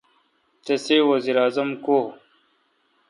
تسے° وزیر اعظم کو° ؟